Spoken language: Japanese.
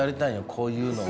こういうのを。